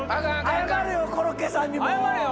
謝れよコロッケさんにも。